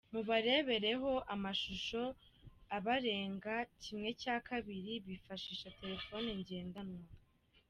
Mu bareberaho amashusho abarenga kimwe cya kabiri bifashisha telefoni ngendanwa.